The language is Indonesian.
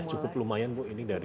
cukup lumayan bu ini dari